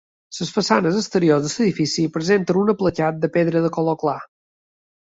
Les façanes exteriors de l'edifici presenten un aplacat de pedra de color clar.